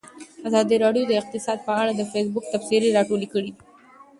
ازادي راډیو د اقتصاد په اړه د فیسبوک تبصرې راټولې کړي.